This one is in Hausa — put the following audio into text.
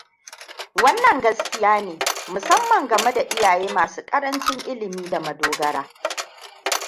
Wannan gaskiyane musamman gameda iyaye masu karancin Ilimi da madogara.